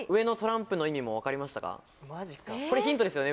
・これヒントですよね？